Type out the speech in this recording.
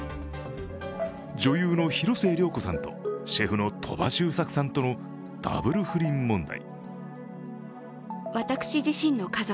女優の広末涼子さんとシェフの鳥羽周作さんとのダブル不倫問題。